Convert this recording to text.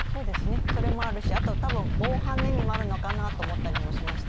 それもあるし、あと多分防犯の意味もあるのかなと思ったりもしました。